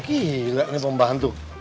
ih gila ini pembantu